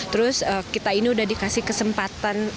terus kita ini udah dikasih kesempatan